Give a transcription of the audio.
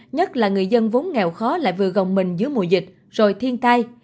nhất là người dân vốn nghèo khó lại vừa gồng mình giữa mùa dịch rồi thiên tai